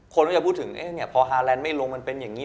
คนก็จะพูดถึงพอฮาแลนด์ไม่ลงมันเป็นอย่างนี้